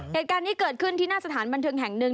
เหตุการณ์นี้เกิดขึ้นที่หน้าสถานบันเทิงแห่งหนึ่ง